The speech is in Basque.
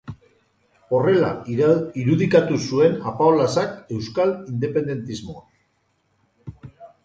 Horrela irudikatu zuen Apaolazak euskal independentismoa.